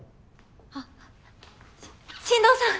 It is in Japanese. あっし進藤さん